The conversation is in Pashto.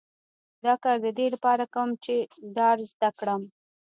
دا کار د دې لپاره کوم چې ډار زده کړم